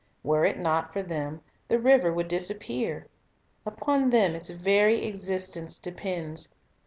Were it not for them, the river would disappear. Upon them its very existence depends. So 1 lsa.